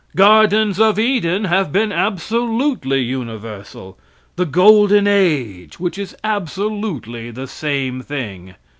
Gardens of Eden have been absolutely universal the golden age, which is absolutely the same thing.